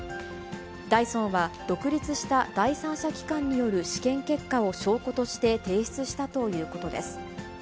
ダイソンは、独立した第三者機関による試験結果を証拠として提出したということです。